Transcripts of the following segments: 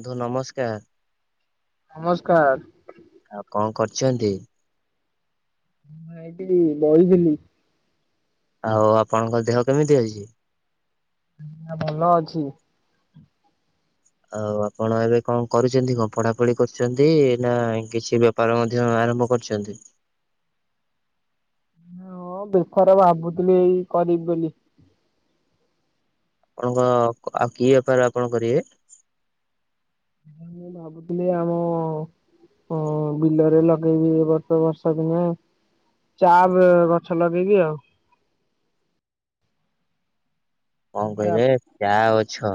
ବନ୍ଧୁ ନମସ୍କାର। ନମସ୍କାର। ଆଉ କଣ କରୁଛନ୍ତି? ମୁଁ ଏଇଠି ବଇଥିଲି। ଆଉ ଆପଣଙ୍କ ଦେହ କେମିତି ଅଛି? ଭଲ ଅଛି। ଆଉ ଆପଣ ଏବେ କଣ କରୁଛନ୍ତି କଣ ପଢାପଢି କରୁଛନ୍ତି ନା କିଛି ବେପାର ମଧ୍ୟ ଆରମ୍ଭ କରିଛନ୍ତି? ହଁ ବେପାର ଭାବୁଥିଲି ଏଇ କରିବି ବୋଲି। ଆପଣଙ୍କ ଆଉ କି ବେପାର ଆପଣ କରିବେ? ମୁଁ ଭାବୁଥିଲି ଆମ ହଁ ବିଲରେ ଲଗେଇବି ଏ ବର୍ଷ ବର୍ଷା ଦିନ ଚା ବେ ଗଛ ଲଗେଇକି ଆଉ କଣ ଆଜ୍ଞା। କହିଲେ ଚା ଗଛ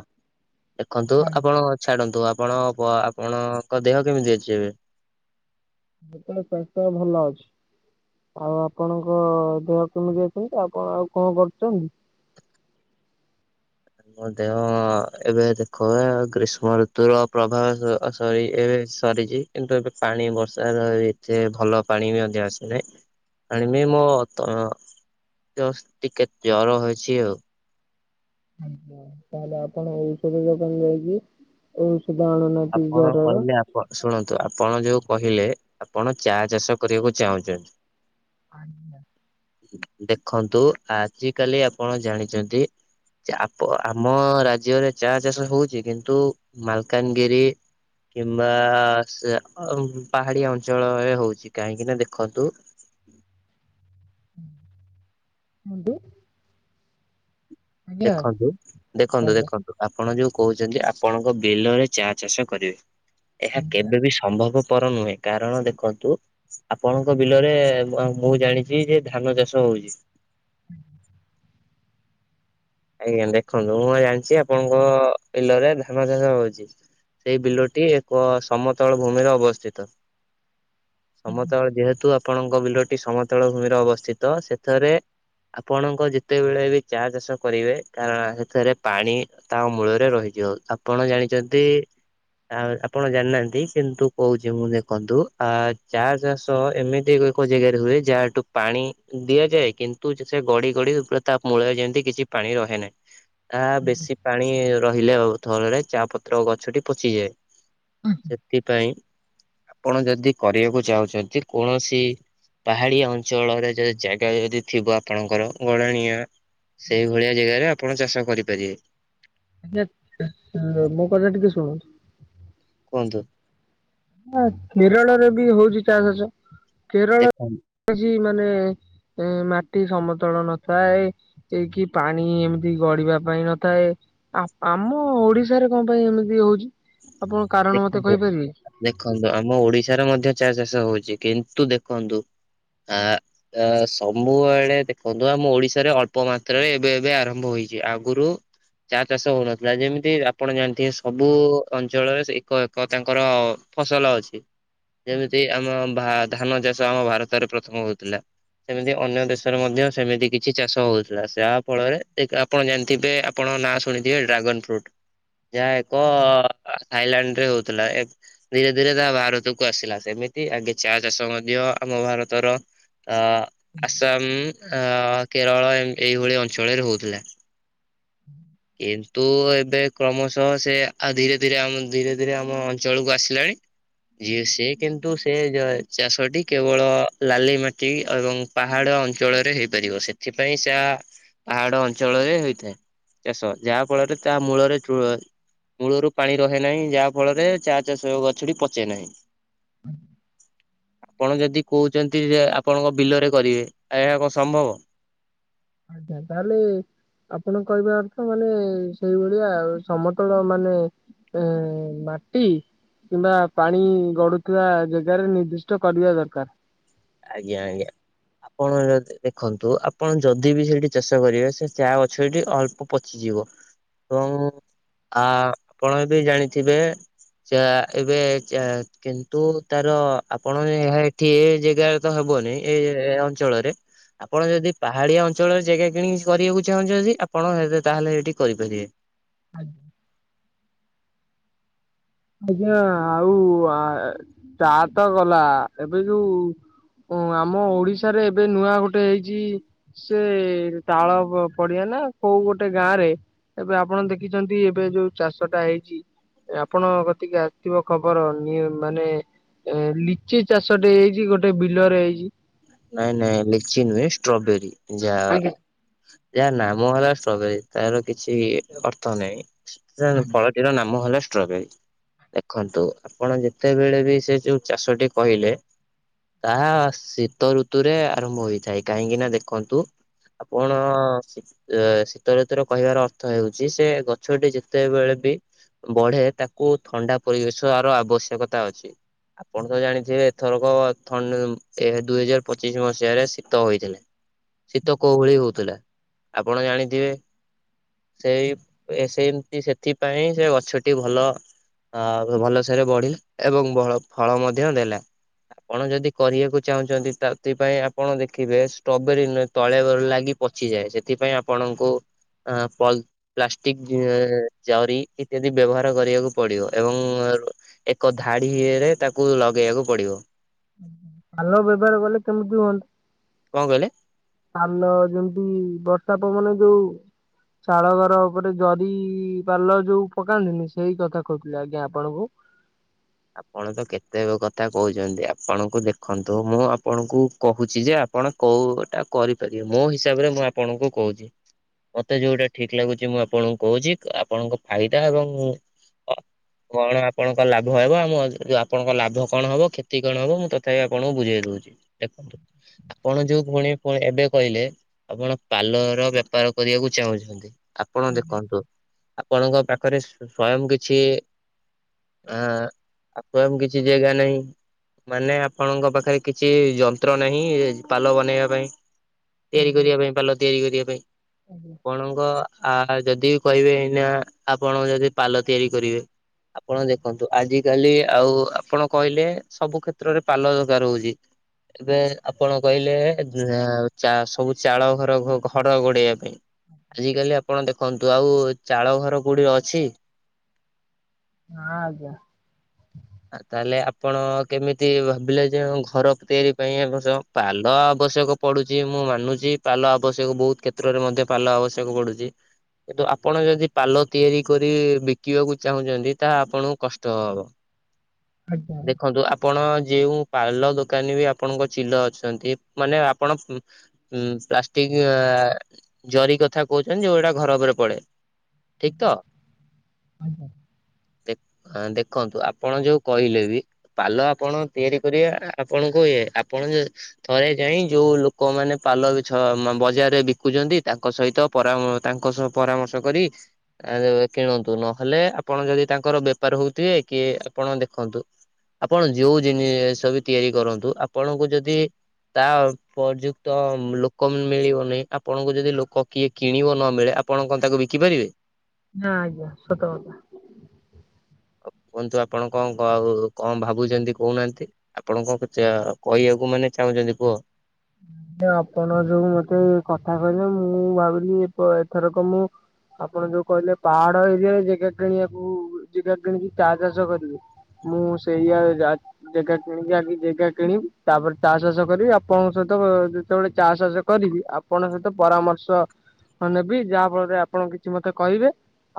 ଦେଖନ୍ତୁ ଆଜ୍ଞା। ଆପଣ ଛାଡନ୍ତୁ। ଆପଣ ଆପଣଙ୍କ ଦେହ କେମିତି ଅଛି ଏବେ? ମୁଁ ତ ସ୍ୱାସ୍ଥ୍ୟ ଭଲ ଅଛି। ଆଉ ଆପଣଙ୍କ ଦେହ କେମିତି ଅଛନ୍ତି ଆପଣ ଆଉ କଣ କରୁଚନ୍ତି? ମୋ ଦେହ ଏବେ ଦେଖବେ ଗ୍ରୀଷ୍ମ ଋତୁର ପ୍ରଭାବ ସ-ସରି ଏବେ ସରିଚି କିନ୍ତୁ ଏବେ ପାଣି ବର୍ଷାର ଏତେ ଭଲ ପାଣି ବି ମଧ୍ୟ ଆସିନାହିଁ। ଆଣିବି ମୋ ତ ତ ଟିକେ ଜର ହେଇଚି ଆଉ। ଆଜ୍ଞା ତାହେଲେ ଆପଣ ଔଷଧ ଦୋକାନ ଯାଇକି ଆଣୁନାହାନ୍ତି ଆପଣ ଜରର କହିଲେ ଆପଣ ଶୁଣନ୍ତୁ ଆପଣ ଯୋଉ କହିଲେ ଆପଣ ଚା ଚାଷ କରିବାକୁ ଚାହୁଁଚନ୍ତି। ଆଜ୍ଞା। ଦେଖନ୍ତୁ ଆଜି କାଲି ଆପଣ ଜାଣିଚନ୍ତି ଚା ଆମ ରାଜ୍ୟରେ ଚା ଚାଷ ହୋଉଚି କିନ୍ତୁ ମାଲକାନଗିରି କିମ୍ବା ସେ ଆଉ ପାହାଡିଆ ଅଞ୍ଚଳରେ ହୋଉଚି କାହିଁକି ନା ଦେଖନ୍ତୁ। ହୁଁ କୁହନ୍ତୁ। ଦେଖନ୍ତୁ ଦେଖନ୍ତୁ ଦେଖନ୍ତୁ ଆପଣ ଯୋଉ କୋହୁଚନ୍ତି ଆପଣଙ୍କ ବିଲରେ ଚା ଚାଷ କରିବେ ଏହା ଆଜ୍ଞା କେବେବି ସମ୍ଭବ ପର ନୁହେଁ କାରଣ ଦେଖନ୍ତୁ ଆପଣଙ୍କ ବିଲରେ ଆ ମୁଁ ଜାଣିଚି ଯେ ଧାନ ଚାଷ ହୋଉଚି। [inaudible] ଆଜ୍ଞା ଦେଖନ୍ତୁ ମୁଁ ଜାଣିଚି ଆପଣଙ୍କ ବିଲରେ ଧାନ ଚାଷ ହୋଉଚି। ସେଇ ବିଲଟି ଏକ ସମତଳ ଭୂମିରେ ଅବସ୍ଥିତ। ଆଜ୍ଞା। ସମତଳ ଯେହେତୁ ଆପଣଙ୍କ ବିଲଟି ସମତଳ ଭୂମିରେ ଅବସ୍ଥିତ ସେଥରେ ଆପଣଙ୍କ ଯେତେବେଳେ ବି ଚା ଚାଷ କରିବେ କାରଣ ଏଥେରେ ପାଣି ତା ମୂଳରେ ରହିଯିବ ଆପଣ ଜାଣିଚନ୍ତି। ଆ ଆପଣ ଜାଣିନାହାନ୍ତି କିନ୍ତୁ କୋହୁଚି ମୁଁ ଦେଖନ୍ତୁ ଆ ଚା ଚାଷ ଏମିତି ଏକ ଜାଗାରେ ହୁଏ ଯାହାଠୁ ପାଣି ଦିଆଯାଏ କିନ୍ତୁ ସେ ଗଡି ଗଡି ତା ମୂଳ ଯେମିତି କିଛି ପାଣି ରହେ ନାହିଁ ଆ ବେଶୀ ପାଣି ର ହିଲେ ଆଉ ଥରରେ ଚା ପତ୍ର ଗଛଟି ପଚିଯାଏ ସେଥିପାଇଁ ଆପଣ ଯଦି କରିବାକୁ ଚାହୁଁଚନ୍ତି କୌଣସି ପାହାଡିଆ ଅଞ୍ଚଳରେ ଯଦି ଜାଗା ଯଦି ଥିବ ଆପଣଙ୍କର ଗଡ଼ାଣିଆ। ସେଇଭଳିଆ ଜାଗାରେ ଆପଣ ଚାଷ କରିପାରିବେ। ଆଜ୍ଞା [inaudible] ମୋ କଥା ଟିକେ ଶୁଣନ୍ତୁ। କୁହନ୍ତୁ। [unintelligible] କେରଳରେ ବି ହୋଉଚି ଚା ଚାଷ କେରଳ ଦେଖନ୍ତୁ ହୋଉଚି ମା ନେ ଏ ମାଟି ସମତଳ ନଥାଏ ଏ ଏଇ କିି ପାଣି ଏମତି ଗଢିବା ପାଇଁ ନଥାଏ। ଆପ ଆମ ଓଡିଶାରେ କଣ ପାଇଁ ଏମିତି ହୋଉଚି ଆପଣଙ୍କ କାରଣ ମତେ ଦେଖନ୍ତୁ କହିପାରିବେ? ଦେଖନ୍ତୁ ଆମ ଓଡିଶାରେ ମଧ୍ୟ ଚା ଚାଷ ହୋଉଚି କିନ୍ତୁ ଦେଖନ୍ତୁ। ଆ-ଆ ସବୁବେଳେ ଦେଖନ୍ତୁ ଆମ ଓଡିଶାରେ ଅଳ୍ପ ମାତ୍ରାରେ ଏବେ ଏବେ ଆରମ୍ଭ ହୋଇ ଚି ଆଗରୁ ଚା ଚାଷ ହୋଉନଥିଲା ଯେମିତି ଆପଣ ଜାଣିଥିବେ ସବୁ ଅଞ୍ଚଳରେ ସେ ଏକ ଏକ ତାଙ୍କର ଫସଲ ଅଛି। ଯେମିତି ଆମ ଭା ଧାନ ଚାଷ ଆମ ଭାରତରେ ପ୍ରଥମ ହୋଉଥିଲା। ସେମିତି ଅନ୍ୟ ଦେଶରେ ମଧ୍ୟ ସେମିତି କିଛି ଚାଷ ହୋଉଥିଲା ଯାହା ଫଳରେ ଏକ ଆପଣ ଜାଣିଥିବେ ଆପଣ ନାଁ ଶୁଣିଥିବେ ଡ୍ରାଗନ୍ ଫ୍ରୁଟ ଯାହା ଏକ ଅ ଥାଇଲାଣ୍ଡ ହୋଉଥିଲା ଏବେ ଧୀରେ ଧୀରେ ତାହା ଭାରତକୁ ଆସିଲା ସେମିତି ଆଗେ ଚା ଚାଷ ମଧ୍ୟ ଆମ ଭାରତ ତର ଆ ଆସାମ ଆ କେରଳ ଏମ୍ ଏଇଭଳି ଅଞ୍ଚଳରେ ହଉଥିଲା । କିନ୍ତୁ ଏବେ କ୍ରମଶଃ ସେ ଆ ଧୀରେ ଧୀରେ ଆମ୍ ଧୀରେ ଧୀରେ ଆମ ଅଞ୍ଚଳକୁ ଆସିଲାଣି । ଯିଏ ସେ କିନ୍ତୁ ସେ ଜ ଚାଷଟି କେବଳ ଲାଲି ମାଟି ଏବଂ ପାହାଡ ଅଞ୍ଚଳରେ ହେଇପାରିବ ସେଥିପାଇଁ ଚା ପାହାଡ ଅଞ୍ଚଳରେ ହେଇଥାଏ । ଚାଷ ଯାହା ଫଳରେ ତା ମୂଳରେ ଚୂଆ ମୂଳରୁ ପାଣି ରହେ ନାହିଁ ଯାହା ଫଳରେ ଚା ଚାଷ ଗଛଟି ପଚେ ନାହିଁ । [inaudible] ଆପଣ ଯଦି କହୁଚ଼ନ୍ତି ଯେ ଆପଣଙ୍କ ବିଲରେ କରିବେ ଏହା କଁ ସମ୍ଭବ? ଆଚ୍ଛା ତାହେଲେ ଆପଣ କହିବା ଅର୍ଥ ମାନେ ସେଇଭଳିଆ ସମତଳ ମାନେ ଏ ମାଟି କିମ୍ବା ପାଣି ଗଡୁଥିବା ଜାଗାରେ ନିର୍ଦ୍ଦିଷ୍ଟ କରିବା ଦରକାର । ଆଜ୍ଞା ଆଜ୍ଞା । ଆପଣ ଯଦ୍ ଦେଖନ୍ତୁ ଆପଣ ଯଦି ବି ସେଠି ଚାଷ କରିବେ ସେ ଚା ଗଛଟି ଅଳ୍ପ ପଚି ଯିବ ଏବଂ ଆ ଆପଣ ବି ଜାଣିଥିବେ ଚା ଏବେ ଚା କିନ୍ତୁ ତାର ଆପଣ ଏହା ଏଠି ଏ ଯେ ଗାରେ ତ ହବନି ଏ ଏ ଅଞ୍ଚଳରେ ଆପଣ ଯଦି ପାହାଡିଆ ଅଞ୍ଚଳରେ ଜାଗା କିଣିକି କରିବାକୁ ଚାହୁଁଚ଼ନ୍ତି ଆପଣ ତାହେଲେ ଏଇଠି କରିପାରିବେ । ଆଜ୍ଞା। [inaudible] ଆଜ୍ଞା ଆଉ ଆ ଚା ତ ଗଲା ଏବେ ଯୋଉ ଓଁ ଆମ ଓଡିଶାରେ ଏବେ ନୂଆ ଗୋଟେ ହେଇଚି ସେ ତାଳ ପଡିଆ ନା ନା କୋଉ ଗୋଟେ ଗାଁ ରେ ଏବେ ଆପଣ ଦେଖିଚନ୍ତି ଏବେ ଯୋଉ ଚାଷ ଟା ହେଇଚି? ଆପଣଙ୍କ କତିକି ଆସିଥିବ ଖବର ନି ମାନେ ଏ ଲିଚି ଚାଷଟେ ହେଇଚି ଗୋଟେ ବିଲରେ ହେଇଚି। ନାଇଁ ନାଇଁ ଲିଚି ନୁହେଁ ଷ୍ଟ୍ରବେରୀ ଯାହା ଆଜ୍ଞା। ଯାହାର ନାମ ହେଲା ଷ୍ଟ୍ରବେରୀ ତାର କିଛି ଅର୍ଥ ନାହିଁ ଫଳଟିର ନାମ ହେଲା ଷ୍ଟ୍ରବେରି। ଦେଖନ୍ତୁ ଆପଣ ଯେତେବେଳେ ବି ସେ ଯୋଉ ଚାଷଟି କହିଲେ ତାହା ଶୀତ ଋତୁରେ ଆରମ୍ଭ ହୋଇଇଥାଏ କାହିଁକି ନା ଦେଖନ୍ତୁ ଆପଣ ଏ ଶୀତ ଋତୁୁର କହିବାର ଅର୍ଥ ହେଉଚି ସେ ଗଛଟି ଯେତେବେଳେ ବି ବଢେ ତାକୁ ଥଣ୍ଡା ପରିବେଶର ଆବଶ୍ୟକତା ଅଛି। ଆପଣ ତ ଜାଣିଥିବେ ଏଥରକ ଥଣ୍ଡ ଏ ଦୁଇହଜାର ପଚିଶ ମସିହାରେ ଶୀତ ହୋଇଥିଲେ। ଶୀତ କୋଉ ଭଳି ହଉଥିଲା ଆପଣ ଜାଣିଥିବେ? ସେଇ ଏ ସେମତି ସେଥିପାଇଁ ସେ ଗଛଟି ଭଲ ଆ ଭଲସରେ ବଢିଲା ଏବଂ ଫ ଫଳ ମଧ୍ୟ ଦେଲା ଆପଣ ଯଦି କରିବାକୁ ଚାହୁଁଚନ୍ତି ତାଥିପାଇଁ ଆପଣ ଦେଖିବେ ଷ୍ଟ୍ରବେରୀ ତଳେ ଲାଗି ପଚିଯାଏ ସେଥିପାଇଁ ଆପଣ ତାଙ୍କୁ ଆ ପଲ୍ ପ୍ଲାଷ୍ଟିକ ଜରି ଇତ୍ୟାଦି ବ୍ୟବହାର କରିବାକୁ ପଡିବ ଏବଂ ବେଳୁ ଏକ ଧାଡିରେ ତାକୁ ଲଗେଇବାକୁ ପଡିବ। ଭଲ ବ୍ୟବହାର ଗଲେ କେମିତି ହୁଅନ୍ତା? କଣ କହିଲେ? ପାଲ ଯେମିତି ବର୍ଷା ପ ମନ ଯୋଉ ଚାଳଘର ଉପରେ ଜରି ପାଲ ଯୋଉ ପକାନ୍ତିନି, ସେଇ କଥା କହୁଥିଲେି ଆଜ୍ଞା ଆପଣଙ୍କୁ। [inaudible] ଆପଣ ତ କେତେ କଥା କହୁଚନ୍ତି, ଆପଣଙ୍କୁ ଦେଖନ୍ତୁ ମୁଁ ଆପଣଙ୍କୁ କହୁଛି ଯେ ଆପଣ କୋଉଟା କରିପାରିବେ ମୋ ହିସାବରେ ମୁଁ ଆପଣଙ୍କୁ କହୁଚି। ମତେ ଯୋଉଟା ଠିକ ଲାଗୁଚି ମୁଁ ଆପଣଙ୍କୁ କହୁଚି। ଆପଣଙ୍କ ଫାଇଦା ଏବଂ କଣ ଆପଣଙ୍କ ଲାଭ? ଭ ରହିବ ଆମ ଆପଣଙ୍କ ଲାଭ କଣ ହବ କ୍ଷତି କଣ ହବ ମୁଁ ତଥାପି ଆପଣଙ୍କୁ ବୁଝେଇ ଦଉଚି ଦେଖନ୍ତୁ। ଆପଣ ଯୋଉ ପୁଣି ଏବେ କହିଲେ ଆପଣ ପାଲର ବେପାର କରିବାକୁ ଚାହୁଁଛନ୍ତି। ଆପଣ ଦେଖନ୍ତୁ ଆପଣଙ୍କ ପାଖରେ ସ୍ଵୟଂ କିଛି ଆଁ ଆପଣଙ୍କ କିଛି ଜାଗା ନାହିଁ ମାନେ ଆପଣଙ୍କ ପାଖରେ କିଛି ଯନ୍ତ୍ର ନାହିଁ ପାଲ ବନେଇବା ପାଇଁ ଆଜ୍ଞା ତିଆରି କରିବା ପାଇଁ ପାଲ ତିଆରି କରିବା ପାଇଁ ଆଜ୍ଞା ଆପଣଙ୍କ ଆ ଯଦି କହିବେ ଏଇନା ଆପଣ ଯଦି ପାଲ ତିଆରି କରିବେ ଆପଣ ଦେଖ ଦେଖନ୍ତୁ ଆଜି କାଲି ଆଉ ଆପଣ କହିଲେ ସବୁ କ୍ଷେତ୍ରରେ ପାଲ ଦରକାର ହଉଛି । ଏବେ ଆପଣ କହିଲେ ଏଁ ଚା ସବୁ ଚାଳ ଘର ଘଡ ଗୋଡେଇବା ପାଇଁ ଆଜି କାଲି ଆପଣ ଦେଖନ୍ତୁ ଆଉ ଚାଳ ଘର କୋଉଠି ଅଛି ହଁ ଆଜ୍ଞା । ଆ ତାହେଲେ ଆପଣ କେମିତି ଭାବିଲେ ଯେ ଘର ତିଆରି ପାଇଁ ଅବଶ୍ୟ ପାଲ ଆବଶ୍ୟକ ପଡୁଛି ମୁଁ ମାନୁଛି ପାଲ ଆବଶ୍ୟକ ବହୁତ କ୍ଷେତ୍ରରେ ମଧ୍ୟ ପାଲ ଆବଶ୍ୟକ ପଡୁଛି କିନ୍ତୁ ଆପଣ ଯଦି ପାଲ ତିଆରି କରି ବିକିବାକୁ ଚାହୁଁଛନ୍ତି ତାହା ଆପଣଙ୍କୁ କଷ୍ଟ ହବ । ଆଜ୍ଞା ଦେଖନ୍ତୁ ଆପଣ ଯେଉଁ ପାଲ ଦୋକାନୀ ବି ଆପଣଙ୍କ ଚିଲ ଅଛନ୍ତି ମାନେ ଆପଣ ଉଁ ପ୍ଲାଷ୍ଟିକ ଆ ଆ ଜରି କଥା କହୁଛନ୍ତି ଯୋଉଟା ଘର ଉପରେ ପଡେ ଠିକ ତ ଦେ ଦେଖନ୍ତୁ ଆପ୍ ଆପଣ ଯୋଉ କହିଲେ ବି ପାଲ ଆପଣ ତିଆରି କରିବେ ଆପଣଙ୍କୁ ଇଏ ଆପଣଙ୍କୁ ଥରେ ଯାଇ ଯେଉଁ ଲୋକମାନେ ପାଲ ବିଛ ବଜାରରେ ବିକୁଛନ୍ତି ତାଙ୍କ ସହିତ ପରାମ ତାଙ୍କ ସହ ପରାମର୍ଶ କରି କିଣନ୍ତୁ ନହେଲେ ଆପଣ ଯଦି ତାଙ୍କର ବେପାର ହଉଥିବେ କି ଏ ଆପଣ ଦେଖନ୍ତୁ ଆପଣ ଯୋଉ ଜିନିଷ ବି ତିଆରି କରନ୍ତୁ ଆପଣଙ୍କୁ ଯଦି ତା ଉପଯୁକ୍ତ ଲୋକ ମିଳିବନିଁ ଆପଣଙ୍କୁ ଯଦି ଲୋକ କିଏ କିଣିବ ନ ମିଳେ ଆପଣ କଣ ତାକୁ ବିକିପାରିବେ? ନାଁ ଆଜ୍ଞା ସତ କଥା । କୁହନ୍ତୁ ଆପଣ କ କଣ କଣ ଭାବୁଛନ୍ତି କହୁନାହାନ୍ତି ଆପଣ କଣ କହିବାକୁ ମାନେ ଚାହୁଁଛନ୍ତି କୁହ ହଁ ଆପଣ ଯୋଉ ମତେ କଥା କହିଲେ ମୁଁ ଭାବିଲି ଏଥରକ ମୁଁ ଆପଣ ଯୋଉ କହିଲେ ପାହାଡ ଏରିଆରେ ଜାଗା କିଣିବାକୁ ଜାଗା କିଣିକି ଚା ଚାଷ କରିବେ ମୁଁ ସେଇଆ ଜ୍ ଜାଗା କିଣିକି ଆଗ ଜାଗା କିଣିବି ତାପରେ ଚା ଚାଷ କରିବି ଆପଣଙ୍କ ସହି ଯେତେବେଳେ ଚା ଚାଷ କରିବି ଆପଣଙ୍କ ସହିତ ପରାମର୍ଶ ହଁ ନେବି ଯାହା ଫଳରେ ଆପଣ କିଛି ମତେ କହିବେ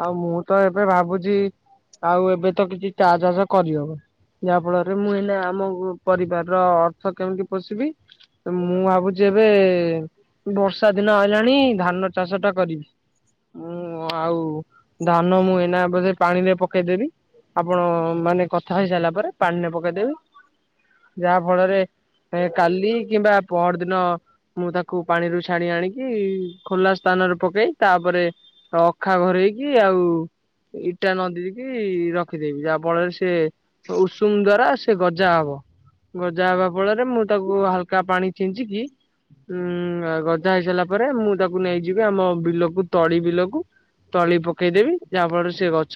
ଆଉ ମୁଁ ତ ଏବେ ଭାବୁଛି ଆଉ ଏବେ ତ କିଛି ଚା ଚାଷ କରିହବ ଯାହା ଫଳରେ ମୁଁ ଏଇନେ ଆମ ପରିବାର ର ଅର୍ଥ କେମିତି ପୋଷିବି ମୁଁ ଭାବୁଛି ଏବେ ବର୍ଷା ଦିନ ଆଇଲାଣି ଧାନ ଚାଷ ଟା କରିବି । ମୁଁ ଆଉ ଧାନ ମୁଁ ଏନା ବୋଧେ ପାଣିରେ ପକେଇଦେବି ଆପଣ ମାନେ କଥା ହେଇ ସାରିଲା ପରେ ପାଣି ପକେଇଦେବି ଯାହା ଫଳରେ କାଲି କିମ୍ବା ପହର ଦିନ ମୁଁ ତାକୁ ପାଣିରୁ ଛାଣି ଆଣିକି ଖୋଲା ସ୍ଥାନରେ ପକେଇ ତାପରେ ରେ ଅଖା ଘରେଇକି ଆଉ ଇଟା ନଦି କିି ରଖିଦେବି ଯାହା ଫଳରେ ସେ ଉଷୁମ ଦ୍ଵାରା ସେ ଗଜା ହବ । ଗଜା ହେବା ଫଳରେ ମୁଁ ତାକୁ ହାଲକା ପାଣି ଛିଞ୍ଚିକି ଉଁ ଗଜା ହେଇସାରିଲା ପରେ ମୁଁ ତାକୁ ନେଇଯିବି ଆମ ବିଲକୁ ତଳି ବିଲକୁ ତଳି ପକେଇଦେବି ଯାହା ଫଳରେ ସେ ଗଛ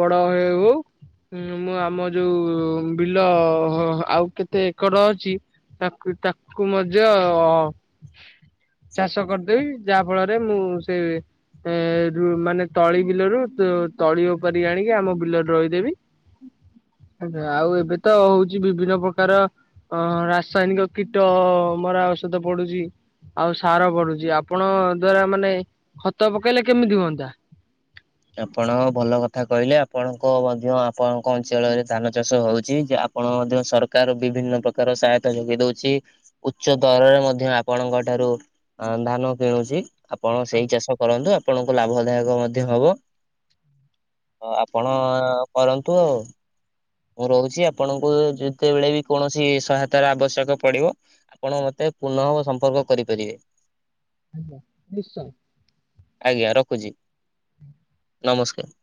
ବଡ ହେଉ ହେଉ ହୁଁ ମୁଁ ଆମ ଯୋଉ ବିଲ ଆଉ କେତେ ଏକର ଅଛି ତାକୁ ତାକୁ ମଜ ଚାଷ କରିଦେବି ଯାହା ଫଳରେ ମୁଁ ସେ ଏ ମାନେ ତଳି ବିଲରୁ ତଳି ଉପାରି ଆଣିକି ଆମ ବିଲରେ ରୋଇଦେବି ଆଜ୍ଞା ଆଉ ଏବେ ତ ହଉଛି ବିଭିନ୍ନ ପ୍ରକାର ଅ ରା ରାସାୟନିକ କୀଟ ମରା ଔଷଧ ପଡୁଛି ଆଉ ସାର ପଡୁଛି ଆପଣ ଦ୍ଵାରା ମାନେ ଖତ ପକେଇଲେ କେମିତି ହୁଅନ୍ତା। [inaudible] ଆପଣ ଭଲ କଥା କହିଲେ ଆପଣଙ୍କ ମଧ୍ୟ ଆପଣଙ୍କ ଅଞ୍ଚଳରେ ଧାନ ଚାଷ ହଉଛି, ଯେ ଆପ ଆପଣ ମଧ୍ୟ ସରକାର ବିଭିନ୍ନ ପ୍ରକାର ସହାୟତା ଯୋଗେଇ ଦଉଚି। ଉଚ୍ଚ ଦରରେ ମଧ୍ୟ ଆପଣଙ୍କ ଠାରୁ ଧାନ କିଣୁଛି। ଆପଣ ସେଇ ଆଜ୍ଞା ଚାଷ କରନ୍ତୁ, ଆପଣଙ୍କୁ ଲାଭଦାୟକ ମଧ୍ୟ ହବ। ହଁ ଆପଣ କରନ୍ତୁ ଆଉ। ମୁଁ ରହୁଚି ଆପଣଙ୍କୁ ଯେତେବେଳେ ବି କୌଣସି ସହାୟତାର ଆବଶ୍ୟକ ପଡିବ, ଆପଣ ମତେ ପୁନଃ ସମ୍ପର୍କ କରିପାରିବେ। ଆଜ୍ଞା ନିଶ୍ଚୟ। ଆଜ୍ଞା ରଖୁଚି, ନମସ୍କାର। [inaudible]